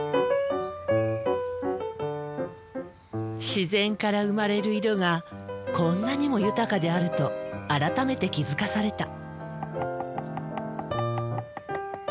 自然から生まれる色がこんなにも豊かであると改めて気付かされた。